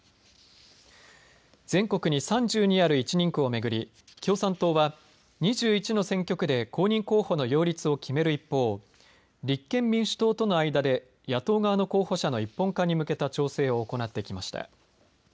全国に３２ある１人区をめぐり共産党は２１の選挙区で公認候補の擁立を決める一方立憲民主党との間で野党側の候補者の一本化に向けた調整を行ってきました。